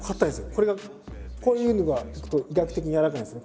これがこういうのがいくと医学的に柔らかいんですよ。